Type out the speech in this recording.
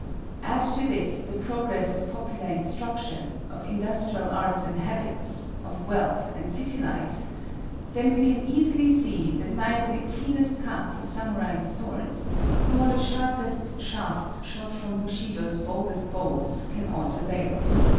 Add to this the progress of popular instruction, of industrial arts and habits, of wealth and city life,—then we can easily see that neither the keenest cuts of samurai's sword nor the sharpest shafts shot from Bushido's boldest bows can aught avail.